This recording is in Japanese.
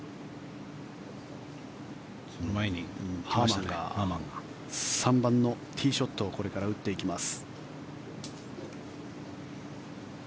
その前にハーマンが３番のティーショットをこれから打っていきます。